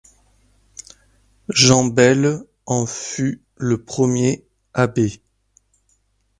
Jean Belle en fut le premier abbé.